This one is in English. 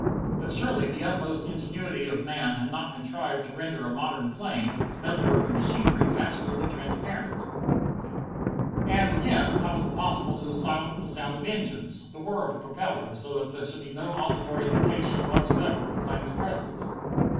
But surely the utmost ingenuity of man had not contrived to render a modern plane, with its metalwork and machinery, absolutely transparent? And, again, how was it possible to have silenced the sound of engines, the whir of a propeller, so that there should be no auditory indication whatever of a plane's presence?